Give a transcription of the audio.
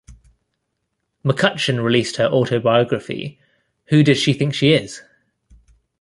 McCutcheon released her autobiography, Who Does She Think She Is?